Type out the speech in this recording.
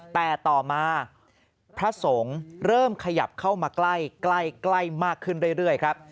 แต่ต่อมาพระสงฆ์เริ่มขยับเข้ามาใกล้มากขึ้นเรื่อยครับ